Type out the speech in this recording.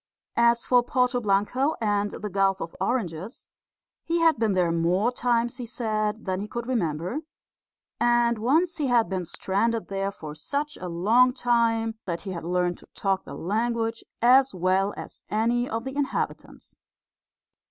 As for Porto Blanco and the Gulf of Oranges, he had been there more times, he said, than he could remember; and once he had been stranded there for such a long time that he had learned to talk the language as well as any of the inhabitants.